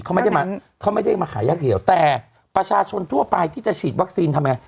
เขาไม่ได้มาเขาไม่ได้มาขายอย่างเดียวแต่ประชาชนทั่วไปที่จะฉีดวัคซีนทำไม